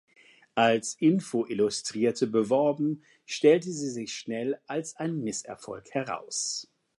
Als „Info-Illustrierte“ beworben, stellte sie sich schnell als ein Misserfolg heraus.